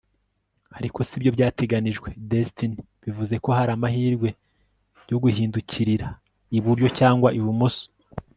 ariko sibyo byateganijwe destiny bivuze ko hari amahirwe yo guhindukirira iburyo cyangwa ibumoso